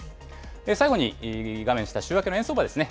最後に画面下、週明けの円相場ですね。